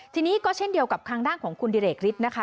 ทีนี้ก็เช่นเดียวกับทางด้านของคุณดิเรกฤทธินะคะ